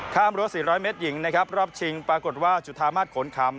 รั้ว๔๐๐เมตรหญิงนะครับรอบชิงปรากฏว่าจุธามาศขนคำ